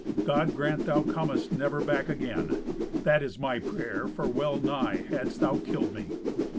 God grant thou comest never back again. That is my prayer, for well nigh hadst thou killed me."